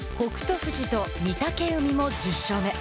富士と御嶽海も１０勝目。